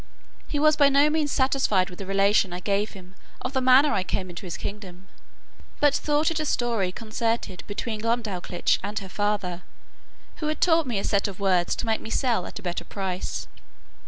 He was by no means satisfied with the relation I gave him of the manner I came into his kingdom, but thought it a story concerted between Glumdalclitch and her father, who had taught me a set of words to make me sell at a better price.